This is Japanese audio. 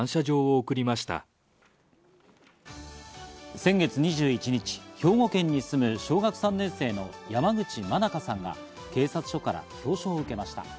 先月２１日、兵庫県に住む小学３年生の山口真佳さんが警察署から表彰を受けました。